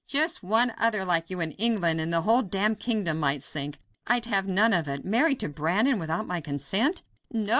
Just one other like you in England, and the whole damned kingdom might sink; I'd have none of it. Married to Brandon without my consent!" "No!